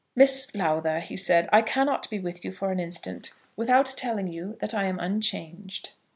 "Miss Lowther," he said, "I cannot be with you for an instant without telling you that I am unchanged."